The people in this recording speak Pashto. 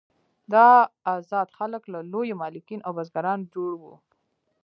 دا آزاد خلک له لویو مالکین او بزګرانو جوړ وو.